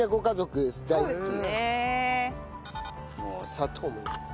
砂糖も。